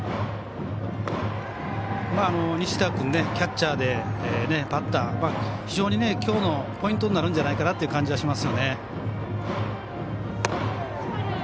西田君キャッチャーでバッター非常にきょうのポイントになるんじゃないかなという感じがしますよね。